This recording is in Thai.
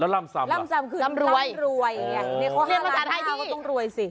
ลำรวย